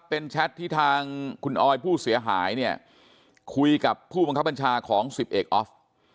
เป็นแชทที่ทางคุณออยผู้เสียหายเนี่ยคุยกับผู้บังคับบัญชาของสิบเอกออฟ